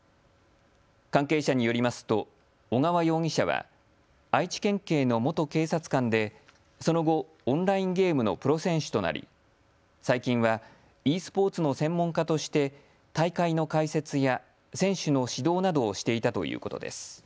関係者によりますと小川容疑者は愛知県警の元警察官でその後オンラインゲームのプロ選手となり、最近はｅスポーツの専門家として大会の解説や選手の指導などをしていたということです。